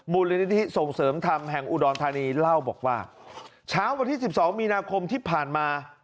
มูลนิธิส่งเสริมธรรมแห่งอุดรธานีเล่าบอกว่าเช้าวันที่๑๒มีนาคมที่ผ่านมา